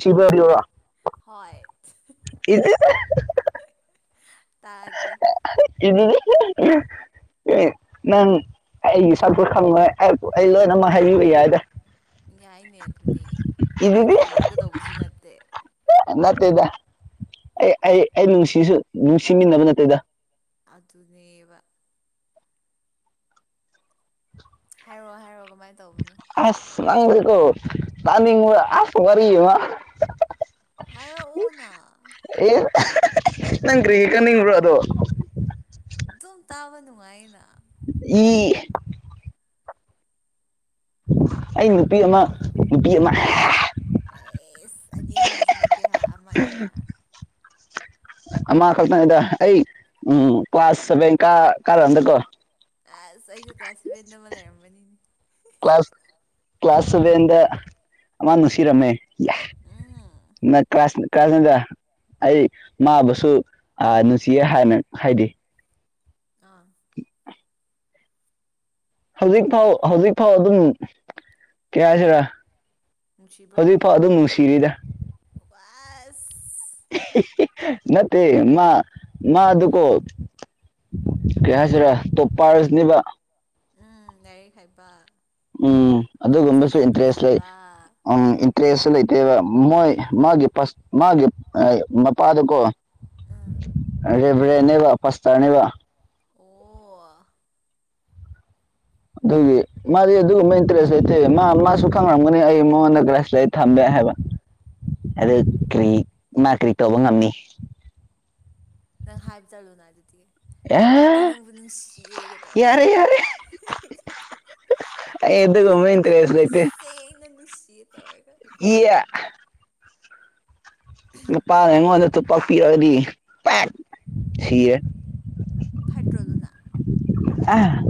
ꯁꯤꯕꯔꯤ ꯋꯥ [inaudible] ꯍꯣꯢ ꯏꯗꯤ [inaudible] ꯇꯥꯒꯦ ꯏ [inaudible] ꯑꯦ ꯅꯪ ꯑꯩꯒꯤ ꯁꯛꯁꯨ ꯈꯪꯉꯣꯏ ꯑꯩ ꯂꯣꯏꯅ ꯑꯃ ꯍꯥꯏꯕꯤꯕ ꯌꯥꯏꯗ ꯌꯥꯏꯅꯦ ꯑꯗꯨꯅꯦ ꯏꯕꯥꯅꯤ ꯏꯗꯨꯗꯤ ꯎꯅꯒꯗꯧꯕꯁꯨ ꯅꯠꯇꯦ ꯅꯠꯇꯦꯗ ꯑꯩ ꯑꯩ ꯑꯩ ꯅꯨꯡꯁꯤꯁꯨ ꯅꯨꯡꯁꯤꯃꯤꯟꯅꯕ ꯅꯠꯇꯦꯗ ꯑꯗꯨꯅꯦꯕ ꯍꯥꯏꯔꯛꯑꯣ ꯍꯥꯏꯔꯛꯑꯣ ꯀꯃꯥꯏꯅ ꯇꯧꯕꯅꯣ ꯑꯁ ꯅꯪꯁꯤꯀꯣ ꯇꯥꯅꯤꯡꯕ ꯑꯁ ꯋꯥꯔꯤ ꯑꯃꯥ ꯍꯥꯏꯔꯛꯑꯣꯅ ꯑꯦ ꯅꯪ ꯀꯔꯤ ꯇꯥꯅꯤꯡꯕꯔꯥ ꯑꯗꯣ ꯑꯗꯨꯝ ꯇꯥꯕ ꯅꯨꯡꯉꯥꯏꯅ ꯏ [inaudible] ꯑꯩ ꯅꯨꯄꯤ ꯑꯃ ꯅꯨꯄꯤ ꯑꯃ ꯑꯦꯁ ꯑꯅꯤ ꯑꯍꯨꯝꯁꯨ ꯅꯠꯇꯦ ꯍꯥ ꯑꯃꯅꯦ ꯍꯥ ꯑꯃ ꯈꯛꯇꯅꯤꯗ ꯑꯩ ꯎꯝ ꯀ꯭ꯂꯥꯁ ꯁꯚꯦꯟ ꯀ ꯀꯥꯔꯛꯒꯥꯟꯗꯀꯣ ꯑꯁ ꯑꯩꯁꯨ ꯀ꯭ꯂꯁꯕꯦꯟꯗ ꯑꯃ ꯂꯩꯔꯝꯕꯅꯤ ꯀ꯭ꯂꯥꯁ ꯀ꯭ꯂꯥꯁ ꯁꯚꯦꯟꯗ ꯑꯃ ꯅꯨꯡꯁꯤꯔꯝꯃꯦ ꯎꯝ [inaudible] ꯀꯥꯢꯅꯣꯗ ꯑꯩ ꯃꯥꯕꯨꯁꯨ ꯅꯨꯡꯁꯤꯌꯦ ꯍꯥꯏꯅ ꯍꯥꯏꯗꯤ ꯑꯥ [unintelligible] ꯍꯧꯖꯤꯛ ꯐꯥꯎ ꯍꯧꯖꯤꯛꯐꯥꯎ ꯑꯗꯨꯝ ꯀꯔꯤ ꯍꯥꯏꯁꯤꯔꯥ ꯍꯧꯖꯤꯛꯐꯥꯎ ꯑꯗꯨꯝ ꯅꯨꯡꯁꯤꯔꯤꯗ ꯋꯥꯏꯁ ꯍꯤ ꯍꯤ ꯅꯠꯇꯦ ꯃꯥ ꯃꯥ ꯗꯨꯀꯣ ꯀꯔꯤ ꯍꯥꯏꯁꯤꯔ ꯇꯣꯞ ꯄꯥꯔꯁꯅꯦꯕ ꯑꯪ ꯂꯥꯏꯔꯤꯛ ꯍꯩꯕ ꯎꯝ ꯑꯗꯨꯒꯨꯝꯕꯁꯨ ꯃꯁꯛꯁꯨ ꯏꯟꯇꯔꯦꯁ ꯂꯩ ꯐꯖꯕ ꯏꯟꯇꯔꯦꯁꯁꯨ ꯂꯩꯇꯦꯕ ꯃꯣꯏ ꯃꯥꯒꯤ ꯄꯥꯁ ꯃꯥꯒꯤ ꯃꯄꯥꯗꯣꯀꯣ ꯎꯝ ꯔꯦꯕ꯭ꯔꯦꯟꯅꯦꯕ ꯄꯥꯁꯇꯔꯅꯦꯕ ꯑꯣ ꯑꯗꯨꯒꯤ ꯃꯥꯗꯤ ꯑꯗꯨꯒꯨꯝꯕ ꯏꯟꯇꯔꯦꯁ ꯂꯩꯇꯦ ꯃꯥ ꯃꯥꯁꯨ ꯈꯪꯂꯝꯒꯅꯤ ꯑꯩ ꯃꯉꯣꯟꯗ ꯊꯝꯃꯦ ꯍꯥꯏꯕ ꯑꯗꯨ ꯀꯔꯤ ꯃꯥ ꯀꯔꯤ ꯇꯧꯕ ꯉꯝꯅꯤ ꯅꯪ ꯍꯥꯏꯕ ꯆꯠꯂꯨꯅ ꯑꯗꯨꯗꯤ ꯑꯦ ꯑꯩ ꯅꯪꯕꯨ ꯅꯨꯡꯁꯤꯌꯦꯒ ꯇꯧꯔꯒ ꯌꯥꯔꯦ ꯌꯥꯔꯦ ꯑꯩ ꯑꯗꯨꯒꯨꯝꯕ ꯅꯪꯕꯨ ꯏꯟꯇꯔꯦꯁ ꯊꯃꯣꯏ ꯂꯩꯇꯦ ꯁꯦꯡꯅ ꯅꯨꯡꯁꯤꯌꯦ ꯇꯧꯔꯒ [unintelligible] ꯅꯨꯄꯥꯅ ꯑꯩꯉꯣꯟꯗ ꯇꯣꯄꯥꯛ ꯄꯤꯔꯛꯑꯗꯤ ꯄꯥꯛ ꯁꯤꯔꯦ ꯐꯠꯇ꯭ꯔꯣ ꯑꯗꯨꯅ ꯑ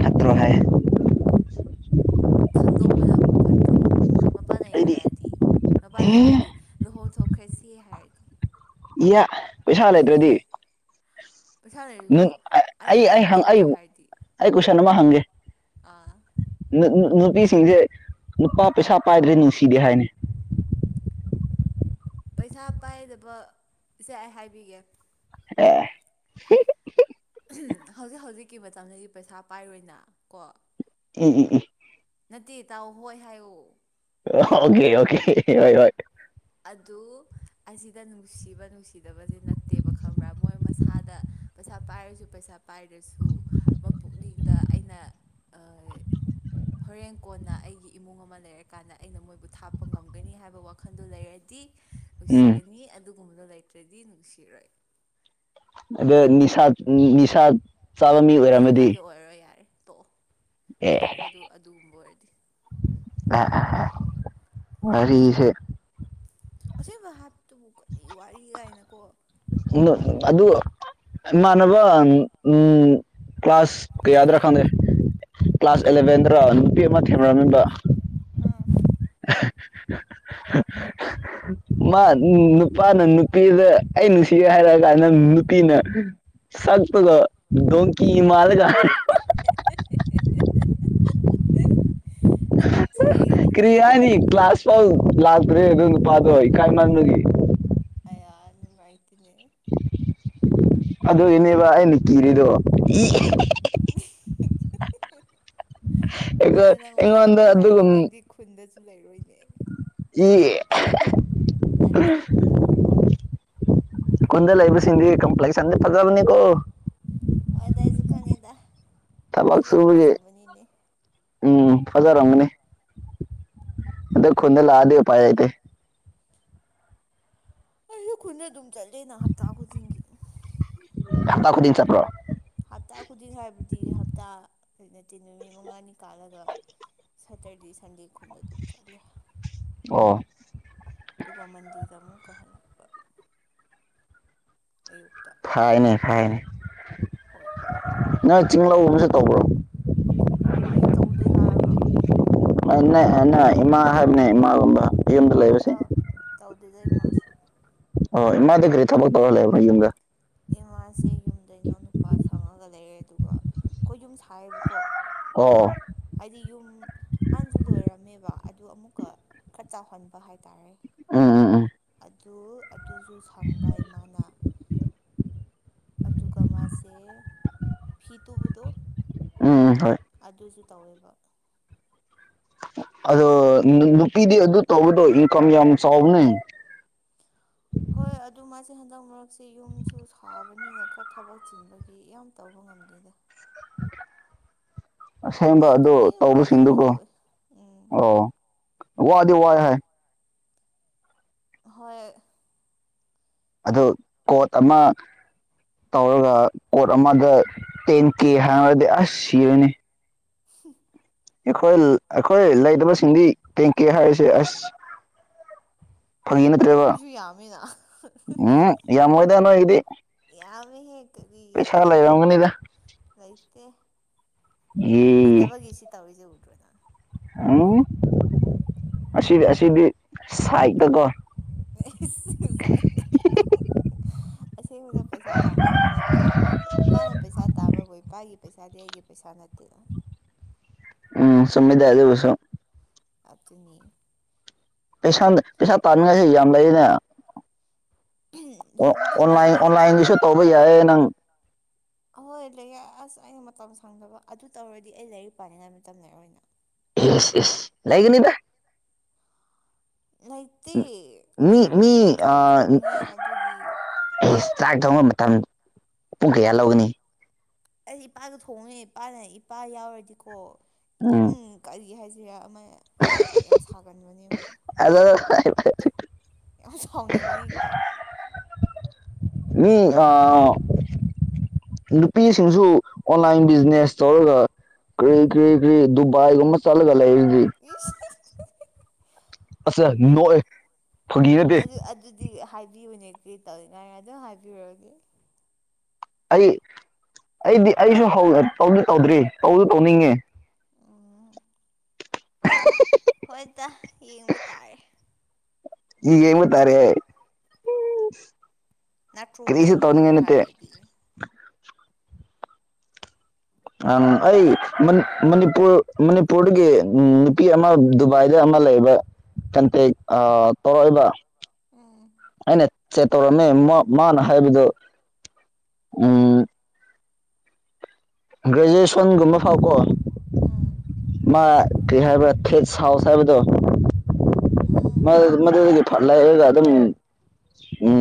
ꯐꯥꯠꯇ꯭ꯔꯣ ꯍꯥꯏ ꯈꯪꯗꯣꯛꯄꯅ ꯐꯠꯇ꯭ꯔꯣ ꯃꯄꯥꯥꯅ ꯑꯩꯗꯤ ꯌꯥꯔꯗꯤ ꯃꯄꯥꯥꯅ ꯑꯦ ꯌꯥꯔꯗꯤ ꯂꯨꯍꯣꯡꯊꯣꯛꯈ꯭ꯔꯁꯤ ꯍꯥꯏꯔꯗꯤ ꯏꯌꯥ ꯄꯩꯁꯥ ꯂꯩꯇ꯭ꯔꯗꯤ ꯄꯩꯁꯥ ꯂꯩꯔꯁꯨ ꯑꯩꯅ ꯑꯩ ꯂꯣꯏ ꯑꯩ ꯄꯨꯊꯣꯛꯀꯦ ꯍꯥꯏꯔꯗꯤ ꯑꯩ ꯀꯣꯏꯁꯟ ꯑꯃ ꯍꯪꯒꯦ ꯑꯥ ꯅꯨꯄꯤꯁꯤꯡꯁꯦ ꯅꯨꯄꯥ ꯄꯩꯁꯥ ꯄꯥꯏꯗ꯭ꯔꯗꯤ ꯅꯨꯡꯁꯤꯗꯦ ꯍꯥꯏꯅꯤ ꯄꯩꯁꯥ ꯄꯥꯏꯗꯕ ꯁꯦ ꯑꯩ ꯍꯥꯏꯕꯤꯒꯦ ꯑꯦ [inaudible] ꯍꯧꯖꯤꯛ ꯍꯧꯖꯤꯛꯀꯤ ꯃꯇꯝꯗꯗꯤ ꯄꯩꯁꯥ ꯄꯥꯏꯔꯣꯏꯅ ꯀꯣ ꯎꯝ ꯎꯝ ꯎꯝ ꯅꯠꯇꯦ ꯇꯥꯎꯑꯣ ꯍꯣꯏ ꯍꯥꯏꯌꯣ ꯑꯣꯀꯦ ꯑꯣꯀꯦ ꯍꯣꯏ ꯍꯣꯏ ꯑꯗꯨ ꯑꯁꯤꯗ ꯅꯨꯡꯁꯤꯕ ꯅꯨꯡꯁꯤꯗꯕꯁꯦ ꯅꯠꯇꯦꯕ ꯈꯪꯕ꯭ꯔꯥ ꯃꯣꯏ ꯃꯁꯥꯗ ꯄꯩꯁꯥ ꯄꯥꯏꯔꯁꯨ ꯄꯩꯁꯥ ꯄꯥꯏꯗꯔꯁꯨ ꯃꯄꯨꯛꯅꯤꯡꯗ ꯑꯩꯅ ꯑꯥ ꯍꯣꯔꯦꯟ ꯀꯣꯟꯅ ꯑꯩꯒꯤ ꯏꯃꯨꯡ ꯑꯃꯥ ꯂꯩꯔ ꯀꯥꯟꯗ ꯑꯩꯅ ꯃꯣꯏꯕꯨ ꯊꯥꯞꯄ ꯉꯝꯒꯅꯤ ꯍꯥꯏꯕ ꯋꯥꯈꯜ ꯗꯨ ꯂꯩꯔꯗꯤ ꯎꯝ ꯅꯨꯡꯁꯤꯒꯅꯤ ꯑꯗꯨꯒꯨꯝꯕꯗꯣ ꯂꯩꯇ꯭ꯔꯗꯤ ꯅꯨꯡꯁꯤꯔꯣꯏ ꯑꯗ ꯅꯤꯁꯥ ꯅꯤꯁꯥ ꯆꯥꯕ ꯃꯤ ꯅꯤꯁꯥ ꯆꯥꯕꯗꯤ ꯑꯣꯏꯔꯝꯃꯗꯤ ꯑꯣꯏꯔꯔꯣꯏ ꯌꯥꯔꯦ ꯇꯣꯛꯑꯣ ꯍꯨꯟꯗꯣꯛꯈ꯭ꯔꯣꯗꯨ ꯑꯗꯨ ꯑꯗꯨꯒꯨꯝꯕ ꯑꯣꯏꯔꯗꯤ ꯑꯥ ꯑꯥ ꯋꯥꯔꯤꯁꯦ ꯑꯁꯦꯡꯕ ꯍꯥꯏꯕꯇꯨꯕꯨ ꯀꯔꯤ ꯋꯥꯔꯤ ꯒꯥꯏꯅ ꯅꯣ ꯑꯗꯨ ꯏꯃꯥꯟꯅꯕ ꯎꯝ ꯀ꯭ꯂꯥꯁ ꯀꯌꯥꯗ꯭ꯔꯥ ꯈꯪꯗꯦ ꯀ꯭ꯂꯥꯁ ꯑꯦꯂꯚꯦꯟꯗ꯭ꯔꯥ ꯅꯨꯄꯤ ꯑꯃ ꯊꯦꯡꯅꯔꯝꯃꯦꯕ ꯑꯥ ꯃꯥ ꯅꯨꯄꯥꯅ ꯅꯨꯄꯤꯗ ꯑꯩ ꯅꯨꯡꯁꯤꯒꯦ ꯍꯥꯏꯔꯀꯥꯟꯗ ꯅꯪ ꯅꯨꯄꯤꯅ ꯁꯛ ꯇꯨꯒ ꯗꯣꯡꯀꯤ ꯃꯥꯟꯂꯒ [inaudible] ꯁꯥꯊꯤꯌꯦ ꯀꯔꯤ ꯑꯗꯨꯗꯤ ꯍꯥꯏꯅꯤ ꯀ꯭ꯂꯥꯁ ꯐꯥꯎ ꯂꯥꯛꯇ꯭ꯔꯦ ꯑꯗꯨ ꯅꯨꯄꯥꯥꯗꯣ ꯏꯀꯥꯏ ꯃꯟꯕꯒꯤ ꯑꯌꯥ ꯅꯨꯡꯉꯥꯏꯇꯦꯅꯦ ꯑꯗꯨꯏꯅꯦꯕ ꯑꯩꯅ ꯀꯤꯔꯤꯗꯣ ꯑꯗꯨ ꯑꯩꯈꯣꯏ ꯅꯪꯉꯣꯟꯗ ꯑꯗꯨꯃꯥꯏ ꯑꯩꯉꯣꯟꯗ ꯍꯥꯏꯔꯗꯤ ꯑꯗꯨꯒꯨꯝ ꯅꯪꯗꯤ ꯈꯨꯟꯗꯁꯨ ꯂꯩꯔꯣꯏꯅꯦ ꯅꯠꯇ꯭ꯔꯣ [inaudible] ꯈꯨꯟꯗ ꯂꯩꯕ ꯁꯤꯡꯗꯤ ꯀꯝꯄ꯭ꯂꯦꯛꯁꯟꯗꯤ ꯐꯖꯕꯅꯤ ꯀꯣ ꯑꯗꯤ ꯑꯩꯁꯨ ꯈꯪꯉꯦꯗ ꯊꯕꯛ ꯑꯩꯁꯨ ꯌꯥꯝ ꯁꯨꯕꯒꯤ ꯐꯖꯕꯅꯤꯅꯦ ꯎꯝ ꯐꯖꯥꯔꯝꯒꯅꯤ ꯑꯗꯣ ꯈꯨꯟꯗ ꯂꯛꯑꯗꯤ ꯎꯄꯥꯏ ꯂꯩꯇꯦ ꯑꯩꯖꯨ ꯈꯨꯟꯗ ꯑꯗꯨꯝ ꯆꯠꯂꯦꯅ ꯍꯞꯇꯥ ꯈꯨꯗꯤꯡꯒꯤ ꯍꯞꯇꯥ ꯈꯨꯗꯤꯡ ꯆꯠꯄ꯭ꯔꯣ ꯍꯞꯇꯥ ꯈꯨꯗꯤꯡ ꯍꯥꯏꯕꯗꯤ ꯍꯞꯇꯥ ꯅꯠꯇꯦ ꯅꯨꯃꯤꯠ ꯃꯉꯥꯅꯤ ꯀꯥꯜꯂꯒ ꯁꯥꯇꯔꯗꯦ ꯁꯟꯗꯦ ꯈꯨꯟꯗ ꯑꯗꯨꯝ ꯆꯠꯂꯦ ꯑꯣ ꯑꯗꯨꯒ ꯃꯟꯗꯦꯗ ꯑꯃꯨꯛꯀ ꯍꯟꯂꯛꯄ ꯑꯌꯨꯛꯇ ꯐꯥꯏꯌꯦꯅꯦ ꯐꯥꯏꯌꯦꯅꯦ ꯍꯣꯏ ꯅꯪ ꯆꯤꯡꯂꯧ ꯒꯨꯝꯕꯁꯨ ꯇꯧꯕ꯭ꯔꯣ ꯑꯩ ꯇꯧꯗꯦ ꯍꯥꯏꯔꯒ ꯅ [unintelligible] ꯏꯃꯥ ꯍꯥꯏꯕꯅꯦ ꯏꯃꯥꯒꯨꯝꯕ ꯌꯨꯝꯗ ꯂꯩꯕꯁꯤꯡ ꯇꯧꯗꯦꯗ ꯏꯃꯥꯁꯨ ꯍꯣꯏ ꯏꯃꯥꯗꯤ ꯀꯔꯤ ꯊꯕꯛ ꯇꯧꯔꯒ ꯂꯩꯕꯔꯥ ꯌꯨꯝꯗ ꯏꯃꯥꯁꯦ ꯌꯨꯝꯗ ꯏꯅꯥꯎꯅꯨꯞ ꯄꯥ ꯁꯪꯉꯥꯒ ꯂꯩꯔꯦ ꯑꯗꯨꯒ ꯑꯥꯈꯣꯏ ꯌꯨꯝ ꯁꯥꯏꯌꯦꯕꯀꯣ ꯑꯣ ꯍꯥꯏꯗꯤ ꯌꯨꯝ ꯍꯥꯟꯅꯁꯨ ꯂꯣꯏꯔꯝꯃꯦꯕ ꯑꯗꯨ ꯑꯃꯨꯛꯀ ꯈꯔ ꯆꯥꯎꯍꯟꯕ ꯍꯥꯏꯇꯥꯔꯦ ꯎꯝ ꯎꯝ ꯎꯝ ꯑꯗꯨ ꯑꯗꯨꯖꯨ ꯁꯪꯕ ꯏꯃꯥꯅ ꯑꯗꯨꯒ ꯃꯥꯁꯦ ꯐꯤ ꯇꯨꯕꯗꯣ ꯎꯝ ꯎꯝ ꯍꯣꯏ ꯑꯗꯨꯖꯨ ꯇꯧꯋꯦꯕ ꯑꯗꯣ ꯅꯨ ꯅꯨꯄꯤꯗꯤ ꯑꯗꯨ ꯇꯧꯕꯗꯣ ꯏꯟꯀꯝ ꯌꯥꯝ ꯆꯥꯎꯕꯅꯦ ꯍꯣꯏ ꯑꯗꯨ ꯃꯥꯁꯦ ꯍꯟꯗꯛ ꯃꯔꯛꯁꯦ ꯌꯨꯝꯁꯨ ꯁꯥꯕ ꯅꯤꯅ ꯈꯔ ꯊꯕꯛ ꯆꯤꯟꯕꯒꯤ ꯌꯥꯝ ꯇꯧꯕ ꯉꯝꯗꯦꯗ ꯑꯁꯦꯡꯕ ꯃꯥꯅ ꯑꯗꯨ ꯇꯧꯅꯤꯡꯕ ꯃꯇꯝꯗ ꯇꯧꯕꯁꯤꯡꯗꯨꯀꯣ ꯇꯧꯋꯤ ꯎꯝ ꯑꯣ ꯋꯥꯗꯤ ꯋꯥꯏ ꯍꯥꯏ ꯍꯣꯏ ꯑꯗꯨ ꯀꯣꯠ ꯑꯃ ꯇꯧꯔꯒ ꯀꯣꯔꯠ ꯑꯃꯗ ꯇꯦꯟ ꯀꯦ ꯍꯥꯏꯔꯗꯤ ꯑꯁ ꯁꯤꯔꯅꯤ ꯍ [inaudible] ꯑꯩꯈꯣꯏ ꯑꯩꯈꯣꯏ ꯂꯩꯇꯕꯁꯤꯡꯗꯤ ꯇꯦꯡꯀꯦ ꯍꯥꯏꯔꯤꯁꯦ ꯑꯁ ꯐꯒꯤ ꯅꯠꯇ꯭ꯔꯦꯕ ꯑꯩꯈꯣꯏꯁꯨ ꯌꯥꯝꯃꯤꯅ ꯎꯝ ꯌꯥꯝꯃꯣꯏꯗ ꯅꯣꯏꯒꯤꯗꯤ ꯌꯥꯝꯉꯦꯍꯦ ꯀꯔꯤꯒꯤ ꯄꯩꯁꯥ ꯂꯩꯔꯝꯒꯅꯤꯗ ꯂꯩꯥꯇꯦ ꯂꯩꯇꯕꯒꯤ ꯁꯤ ꯇꯧꯔꯤꯁꯦ ꯎꯗ꯭ꯔꯣꯅ ꯎ ꯑꯁꯤꯗꯤ ꯑꯁꯤꯗꯤ ꯁꯥꯏꯇꯀꯣ ꯑꯁꯦꯡꯕꯗ ꯄꯩꯁꯥ ꯇꯥꯟꯕꯁꯨ ꯅꯠꯇꯦ ꯏꯄꯥꯅ ꯄꯩꯁꯥ ꯇꯥꯕꯕꯨ ꯏꯄꯥꯒꯤ ꯄꯩꯁꯥꯗꯤ ꯑꯩꯒꯤ ꯄꯩꯁꯥ ꯅꯠꯇꯦꯗꯅ ꯎꯝ ꯆꯨꯝꯃꯤꯗ ꯑꯗꯨꯁꯨ ꯑꯗꯨꯅꯤ ꯄꯩꯁꯥ ꯄꯩꯁꯥ ꯇꯥꯅꯤꯡꯉꯥꯏꯁꯤ ꯌꯥꯝ ꯂꯩꯔꯤꯅꯦ ꯑꯣ ꯂꯩꯕꯨꯗꯤ ꯑꯣꯟꯂꯥꯏꯟ ꯂꯩꯌꯦ ꯑꯗꯨ ꯑꯣꯟꯂꯥꯏꯟꯒꯤꯁꯨ ꯇꯧꯕ ꯌꯥꯏꯌꯦ ꯅꯪ ꯑꯍꯣꯏ ꯂꯩꯌꯦ ꯑꯁ ꯑꯩꯅ ꯃꯇꯝ ꯁꯪꯗꯕ ꯑꯗꯨ ꯇꯧꯔꯗꯤ ꯑꯩ ꯂꯩꯔꯤꯛ ꯄꯥꯅꯤꯡꯉꯥꯏ ꯃꯇꯝ ꯂꯩꯔꯔꯣꯏꯅ ꯌꯦꯁ ꯌꯦꯁ ꯂꯩꯒꯅꯤꯗ ꯂꯩꯇꯦ ꯑꯩ ꯃꯤ ꯌꯨꯝꯗꯁꯨ ꯃꯤ ꯆꯥꯛ ꯊꯣꯡꯉꯦ ꯑꯗꯨꯒꯤ ꯑꯦ ꯆꯥꯛ ꯊꯣꯡꯕ ꯃꯇꯝ ꯄꯨꯡ ꯀꯌꯥ ꯂꯧꯒꯅꯤ ꯑꯩ ꯏꯄꯥꯗꯣ ꯊꯣꯡꯉꯦ ꯏꯄꯥꯅ ꯏꯄꯥ ꯌꯥꯎꯔꯗꯤꯀꯣ ꯌꯥꯝ ꯎꯝ ꯀꯔꯤ ꯍꯥꯏꯁꯤꯔ ꯑꯃ ꯍꯥꯏ ꯄꯥ ꯌꯥꯝ ꯁꯥꯒꯟꯕꯅꯦꯕ ꯑꯗ ꯌꯥꯝ ꯁꯥꯎꯅꯤꯡꯕꯗꯤ ꯍꯦꯛꯇ ꯃꯤ ꯑ ꯅꯨꯄꯤꯁꯤꯡꯁꯨ ꯑꯣꯟꯂꯥꯏꯟ ꯕꯤꯖꯤꯅꯦꯁ ꯇꯧꯔꯒ ꯀꯔꯤ ꯀꯩ ꯀꯔꯤ ꯗꯨꯕꯥꯏꯒꯨꯝꯕ ꯆꯠꯂꯒ ꯂꯩ ꯍꯧꯗꯤ ꯏ ꯑꯁ ꯅꯣꯛꯑꯦ ꯐꯥꯒꯤꯔꯗꯤꯦ ꯑꯗꯨ ꯑꯗꯨꯗꯤ ꯍꯥꯏꯕꯤꯌꯨꯅꯦ ꯀꯩ ꯇꯧꯅꯤꯡꯉꯥꯏ ꯑꯗꯨꯝ ꯍꯥꯏꯕꯤꯔꯨꯔꯒꯦ ꯑꯩ ꯑꯩꯗꯤ ꯑꯩꯁꯨ ꯇꯧꯗꯤ ꯇꯧꯗ꯭ꯔꯤ ꯇꯧꯁꯨ ꯇꯧꯅꯤꯡꯉꯦ ꯑ [unintelligible] ꯍꯣꯏꯗ ꯌꯦꯡꯕ ꯇꯥꯔꯦ ꯍꯒꯦꯃ ꯇꯔꯦ ꯅꯦꯠꯇ꯭ꯔꯣ ꯌꯦꯡꯕ ꯇꯥꯔꯦ ꯍꯥꯏꯗ꯭ꯔꯗꯤꯅꯦ ꯑꯪ ꯑꯩ ꯃꯅꯤꯄꯨꯔ ꯃꯅꯤꯄꯨꯔꯗꯒꯤ ꯎ ꯅꯨꯄꯤ ꯑꯃ ꯗꯨꯕꯥꯏꯗ ꯑꯃ ꯂꯩꯕ ꯀꯟꯇꯦꯛ ꯇꯧꯔꯛꯏꯕ ꯎꯝ ꯑꯩꯅ ꯆꯦ ꯇꯧꯔꯝꯃꯦ ꯃꯥꯅ ꯍꯥꯏꯕꯗꯨ ꯎꯝ ꯒ꯭ꯔꯦꯖꯨꯑꯦꯁꯟꯒꯨꯝꯕ ꯐꯥꯎꯀꯣ ꯑꯥ ꯃꯥ ꯀꯩ ꯍꯥꯏꯕ꯭ꯔꯥ ꯐꯦꯠ ꯁꯥꯎꯁ ꯍꯥꯏꯕꯗꯣ ꯎꯝ ꯃꯗꯨꯗꯒꯤ ꯐꯠ ꯂꯥꯏꯑꯒ ꯑꯗꯨꯝ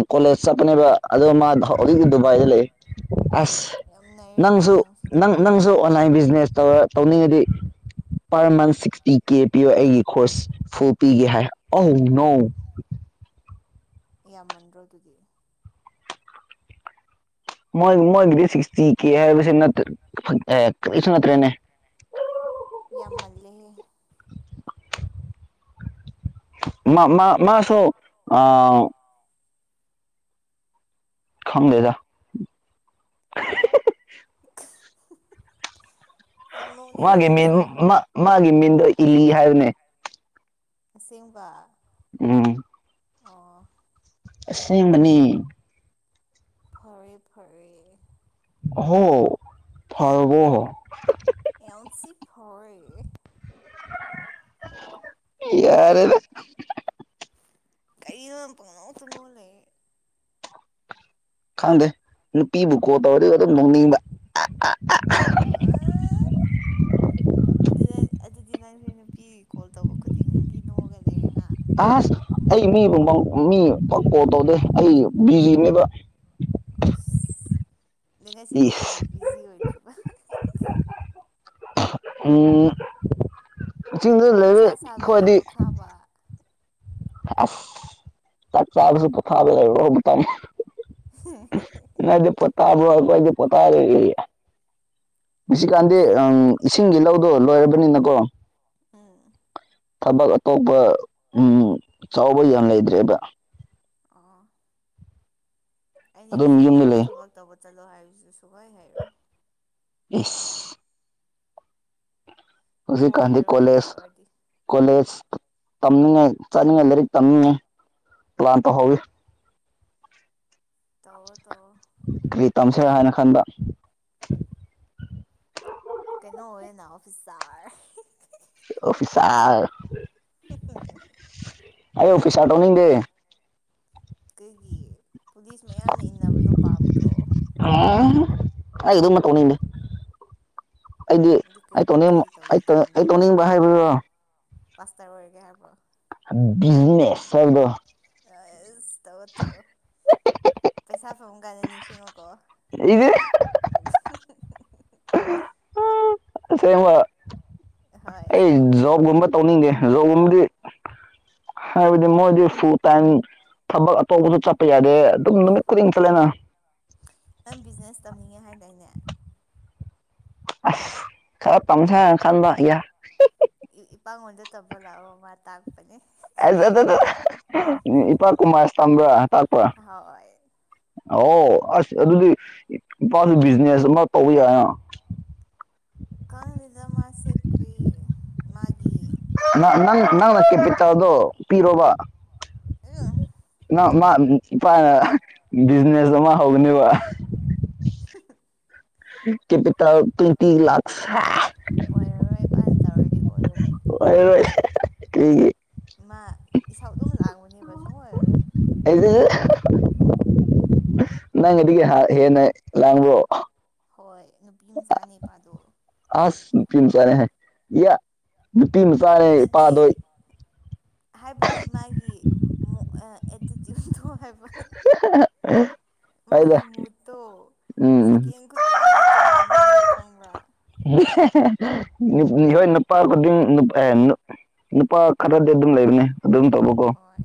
ꯀꯣꯂꯦꯖ ꯆꯠꯄꯅꯦꯕ ꯑꯗ ꯃꯥ ꯍꯧꯖꯤꯛꯇꯛꯇꯤ ꯗꯨꯕꯥꯏꯗ ꯂꯩ ꯑꯁ ꯌꯥꯝ ꯅꯩꯔꯦꯅꯦ ꯅꯪꯁꯨ ꯅꯪ ꯇꯧꯑꯣꯅꯦ ꯅꯪꯁꯨ ꯑꯣꯟꯂꯥꯏꯟ ꯕꯤꯖꯤꯅꯦꯁ ꯇꯧꯔ ꯇꯧꯅꯤꯡꯉꯗꯤ ꯄꯔ ꯃꯟ ꯁꯤꯛꯁꯇꯤ ꯀꯦ ꯄꯤꯌꯣ ꯑꯩꯒꯤ ꯈꯁ ꯐꯨ ꯄꯤꯒꯦ ꯍꯥꯏ ꯑ ꯅꯧ ꯏꯃꯟꯗ꯭ꯔꯣ ꯑꯗꯨꯗꯤ ꯣꯏ ꯃꯣꯏꯒꯤꯗꯤ ꯁꯤꯛꯁꯇꯤ ꯀꯦ ꯍꯥꯏꯕꯁꯦ ꯀꯔꯤꯁꯨ ꯅꯠꯇ꯭ꯔꯦꯅꯦ ꯌꯥꯝꯃꯜꯂꯦꯍꯦ ꯃꯥ ꯃꯥ ꯃꯥ ꯃꯥꯁꯨ ꯑ ꯈꯪꯗꯦꯗ ꯌꯥꯝ ꯅꯣꯛꯅꯤꯡꯉꯤ ꯃꯥꯒꯤ ꯃꯤꯟ ꯅꯪꯁꯦ ꯃꯥꯒꯤ ꯃꯤꯟꯗꯣ ꯏꯂꯤ ꯍꯥꯏꯕꯅꯦ ꯑꯁꯦꯡꯕ ꯎꯝ ꯑ ꯏꯁꯂꯤꯃꯅꯤ ꯐꯔꯦ ꯐꯔꯦ ꯍ ꯐꯔꯒꯣ ꯍ ꯑꯦꯎꯟꯁꯤꯤ ꯐꯔ ꯌꯥꯔꯦꯅꯦ ꯀꯩꯄꯉꯅꯣ ꯆꯅꯣ ꯂꯩꯦ ꯈꯪꯗꯦ ꯅꯨꯄꯤꯕꯨ ꯀꯣꯜ ꯇꯧꯔꯗꯤ ꯑꯗꯨꯝ ꯅꯣꯡꯅꯤꯡꯕ ꯑꯣ ꯑꯗꯨꯗ ꯑꯗꯨꯗꯤ ꯅꯪꯁꯦ ꯅꯨꯄꯤ ꯀꯣꯜ ꯇꯧꯕ ꯈꯨꯗꯤꯡꯒꯤ ꯅꯣꯛꯑꯒ ꯂꯩꯔꯦꯍ ꯑꯁ ꯑꯩ ꯃꯤꯕꯨ ꯃꯤ ꯀꯣꯜ ꯇꯧꯗꯦ ꯑꯩ ꯕꯤꯖꯤꯅꯦꯕ ꯑꯁ ꯑ ꯉꯁꯤꯗꯤ ꯏꯁ ꯀꯩꯒꯤ ꯕꯤꯖꯤ ꯑꯣꯏꯗ꯭ꯔꯤꯕ ꯎꯝ ꯆꯤꯡꯗ ꯂꯩꯔꯦ ꯑꯩꯈ꯭ꯋꯥꯗꯤ ꯋꯥ ꯑꯁ ꯆꯥꯛ ꯆꯥꯕꯁꯨ ꯀꯊꯥꯕ ꯂꯩꯣ ꯇꯅꯤ ꯍ ꯅꯗꯤ ꯄꯠꯇꯥꯕ ꯑꯣꯏꯣꯏꯗꯤ ꯄꯠꯇꯥ ꯃꯁꯤꯀꯥꯟꯗꯤ ꯏꯁꯤꯡꯒꯤ ꯂꯧꯗꯣ ꯂꯣꯏꯔꯕꯅꯤꯅꯀꯣ ꯎꯝ ꯊꯕꯛ ꯑꯇꯣꯞꯄ ꯎꯝ ꯆꯥꯎꯕ ꯌꯥꯝ ꯂꯩꯇ꯭ꯔꯦꯕ ꯑꯣ ꯑꯩꯗꯤ ꯑꯗꯨꯝ ꯃꯤꯅ ꯌꯨꯝꯗ ꯂꯧꯗ ꯂꯩ ꯊꯕꯛ ꯇꯧꯕ ꯆꯠꯂꯣ ꯍꯥꯏꯕꯗꯨ ꯁꯨꯛꯍꯩ ꯍꯩꯔꯣꯏ ꯏꯁ ꯍꯧꯖꯤꯀꯥꯟꯗꯤ ꯑꯣꯏꯔꯔꯣꯏꯅ ꯀꯣꯂꯦꯖ ꯇꯧꯔꯗꯤ ꯀꯣꯂꯦꯖ ꯇꯝꯅꯤꯡꯉꯥꯏ ꯆꯠꯅꯤꯡꯉꯥꯏ ꯂꯥꯏꯔꯤꯛ ꯇꯝꯅꯤꯡꯉꯥꯏ ꯄ꯭ꯂꯥꯟ ꯇꯧꯍꯧꯋꯤ ꯇꯧꯑꯣ ꯇꯧꯑꯣ ꯀꯔꯤ ꯇꯝꯁꯦꯔꯥ ꯍꯥꯏꯅ ꯈꯟꯕ ꯀꯩꯅꯣ ꯑꯣꯏꯌꯣꯅ ꯑꯣꯐꯤꯁꯥꯔ ꯑꯣꯐꯤꯁꯥꯔ ꯑꯩ ꯑꯣꯐꯤꯁꯥꯔ ꯇꯧꯅꯤꯡꯗꯦ ꯀꯩꯒꯤ ꯄꯨꯂꯤꯁ ꯃꯌꯥꯝꯅ ꯏꯟꯅꯕꯗꯣ ꯄꯥꯝꯗ꯭ꯔꯣ ꯑꯩ ꯑꯗꯨꯝꯕ ꯇꯧꯅꯤꯡꯗꯦ ꯑꯩꯗꯤ ꯑꯗꯨ ꯀꯩ ꯑꯩ ꯇꯧꯅꯤꯡ ꯀꯩ ꯇꯧꯒꯦ ꯑꯩ ꯇ ꯈꯟꯕ ꯑꯩ ꯇꯧꯅꯤꯡꯕ ꯍꯥꯏꯕꯗꯣ ꯄꯥꯁꯇꯔ ꯑꯣꯏꯔꯒꯦ ꯍꯥꯏꯕ꯭ꯔꯣ ꯕꯤꯖꯤꯅꯦꯁ ꯍꯥꯏꯕꯗꯣ ꯑꯁ ꯇꯧꯑꯣ ꯇꯧꯑꯣ ꯄꯩꯁꯥ ꯐꯪꯕ ꯀꯥꯟꯗ ꯅꯤꯡꯁꯤꯡꯉꯛ ꯑꯣꯀꯣ [inaudible] [inaudible] ꯑꯁꯦꯡꯕ ꯍꯣꯏ ꯑꯩ ꯑꯁꯦꯡꯕ ꯖꯣꯕꯒꯨꯝꯕ ꯇꯧꯅꯤꯡꯗꯦ ꯖꯣꯕꯒꯨꯝꯕꯗꯤ ꯍꯥꯏꯕꯗꯤ ꯃꯣꯏꯗꯤ ꯐꯨꯜ ꯇꯥꯏꯝ ꯊꯕꯛ ꯑꯇꯣꯞꯄꯁꯨ ꯆꯠꯄ ꯌꯥꯗꯦ ꯑꯗꯨꯝ ꯅꯨꯃꯤꯠ ꯈꯨꯗꯤꯡ ꯆꯠꯂꯦꯅ ꯅꯪ ꯕꯤꯖꯤꯅꯦꯁ ꯇꯝꯅꯤꯡꯉꯦ ꯍꯥꯏꯗꯥꯏꯅꯦ ꯑꯁ ꯈꯔ ꯇꯝꯁꯤꯔ ꯍꯥꯏꯅ ꯈꯟꯕ ꯏ ꯏꯄꯥꯉꯣꯟꯗ ꯇꯝꯕ ꯂꯥꯛꯑꯣ ꯃꯥ ꯇꯥꯛꯄꯅꯤ ꯏ ꯏꯄꯥ ꯀꯨꯝꯃꯁ ꯇꯝꯕ꯭ꯔꯥ ꯇꯥꯛꯄ꯭ꯔꯥ ꯍꯣꯏ ꯑꯣ ꯑꯁ ꯑꯗꯨꯗꯤ ꯏꯄꯥꯁꯨ ꯕꯤꯖꯤꯅꯦꯁ ꯑꯃ ꯇꯧꯕ ꯌꯥꯏꯅ ꯈꯪꯗꯦꯗꯥ ꯃꯥꯁꯤ ꯀꯔꯤ ꯃꯥꯒꯤ ꯅꯪ ꯅꯪꯅ ꯅꯪꯅ ꯀꯦꯄꯤꯇꯦꯜꯗꯣ ꯄꯤꯔꯣꯕ ꯑꯦ ꯅꯪ ꯃꯥ ꯏꯄꯥꯅ ꯕꯤꯖꯤꯅꯦꯁ ꯑꯃ ꯍꯧꯒꯅꯤꯕ ꯀꯦꯄꯤꯇꯜ ꯇꯤ ꯂꯥꯛꯁ ꯑꯣꯏꯔꯔꯣꯏ ꯏꯄꯥꯅ ꯇꯧꯔꯗꯤ ꯑꯣꯏꯔꯔꯣꯏ ꯑꯣꯏꯔꯣꯏ ꯀꯔꯤꯒꯤ ꯃꯥ ꯏꯁꯧ ꯑꯗꯨꯝ ꯂꯥꯡꯕꯅꯦꯕ ꯁꯨꯡ ꯑꯣꯏ ꯑꯣꯏꯔꯣꯏ ꯅꯪꯒꯤꯗꯒꯤ ꯍꯥ ꯍꯦꯟꯅ ꯂꯥꯡꯕ꯭ꯔꯣ ꯍꯣꯏ ꯅꯨꯄꯤ ꯃꯆꯥꯅꯦ ꯏꯄꯥꯗꯣ ꯑꯁ ꯅꯨꯄꯤ ꯃꯆꯥꯅꯦ ꯍꯥꯏ ꯌꯥ ꯅꯨꯄꯤ ꯃꯆꯥꯅꯦ ꯅꯠꯇꯦ ꯏꯄꯥꯥꯗꯣ ꯍꯥꯏꯕꯗꯤ ꯃꯥꯒꯤ ꯃꯣ ꯑꯥ ꯑꯦꯇꯤꯇ꯭ꯌꯨꯠꯇꯣ ꯍꯥꯏꯕ ꯑꯩꯗ ꯃꯥꯒꯤ ꯃꯨꯠꯇꯣ ꯎꯝ ꯁꯦꯀꯦꯟ ꯈꯨꯗꯤꯡꯒꯤ ꯇꯣꯉꯥꯟꯕꯅꯦꯕ ꯈꯪꯕ꯭ꯔꯥ ꯍꯣꯏ ꯅꯨꯄꯥ ꯈꯨꯗꯤꯡ ꯅꯨꯄꯥ ꯈꯔꯗꯤ ꯑꯗꯨꯝ ꯂꯩꯕꯅꯦ ꯑꯗꯨꯝ ꯇꯧꯕ ꯍꯣꯏ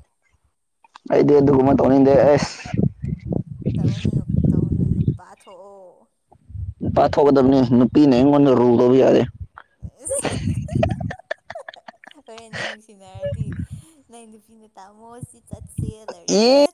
ꯑꯩꯗꯤ ꯑꯗꯨꯒꯨꯝꯕ ꯇꯧꯅꯤꯡꯗꯦ ꯑꯦꯁ ꯇꯧꯒꯅꯨ ꯇꯧꯒꯅꯨ ꯅꯨꯄꯥ ꯊꯣꯛꯑꯣ ꯅꯨꯄꯥꯊꯣꯛꯀꯗꯕꯅꯤ ꯅꯨꯄꯤꯅꯦ ꯑꯩꯉꯣꯟꯗ ꯔꯨꯜ ꯇꯧꯕ ꯌꯥꯗꯦ [inaudible] ꯍꯣꯔꯦꯟꯗꯤ ꯅꯨꯡꯁꯤꯅꯔꯗꯤ ꯅꯣꯏ ꯅꯨꯄꯤꯅ ꯇꯥꯃꯣ ꯁꯤ ꯆꯠꯁꯦ ꯂꯩꯔꯗꯤ ꯑꯦ ꯍꯣꯏ ꯍ